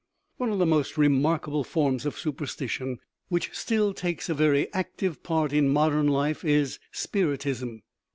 One of the most remarkable forms of superstition, which still takes a very active part in modern life, is spiritism.